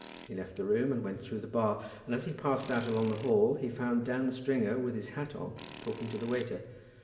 He left the room, and went through the bar, and as he passed out along the hall, he found Dan Stringer with his hat on talking to the waiter.